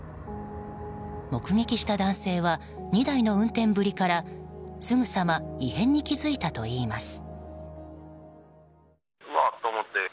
目撃した男性は２台の運転ぶりからすぐさま異変に気付いたといいます。